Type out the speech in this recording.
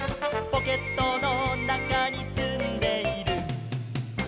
「ポケットのなかにすんでいる」